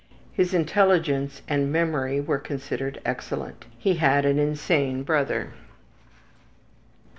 His intelligence and memory were considered excellent. He had an insane brother.